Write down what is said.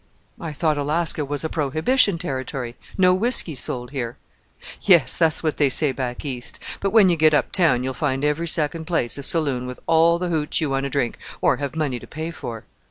"I thought Alaska was a prohibition territory, no whisky sold here." "Yes, that's what they say back East; but when you get up town you'll find every second place a saloon with all the hootch you want to drink, or have money to pay for."